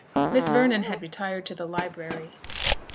Miss Vernon had retired to the library.